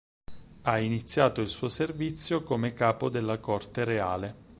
Ha iniziato il suo servizio come capo della Corte Reale.